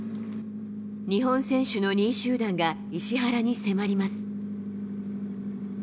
日本選手の２位集団が石原に迫ります。